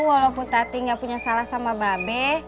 walaupun tati gak punya salah sama babi